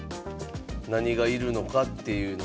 何が要るのかっていうのと。